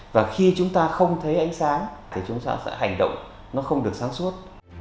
và khi chúng ta không thấy ánh sáng thì chúng ta sẽ hành động nó không được sáng suốt